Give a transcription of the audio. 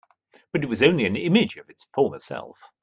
But it was only an image of its former self.